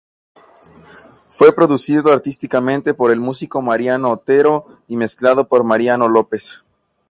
Fue producido artísticamente por el músico Mariano Otero y mezclado por Mariano López.